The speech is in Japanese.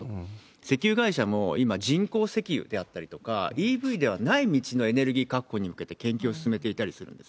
石油会社も、今、人工石油であったりとか、ＥＶではない未知のエネルギー確保について、研究していかなきゃいけないんだ。